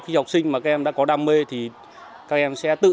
như sinh học đã được khắc phục